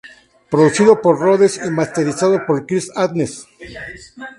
Producido por Rodes y masterizado por Chris Athens.